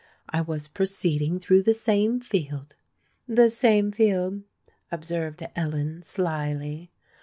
I was proceeding through the same field——" "The same field," observed Ellen slily.